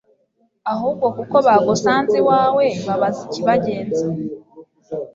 ahubwo kuko bagusanze iwawe babaze ikibagenza